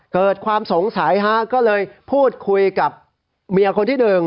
เกิดความสงสัยฮะก็เลยพูดคุยกับเมียคนที่หนึ่ง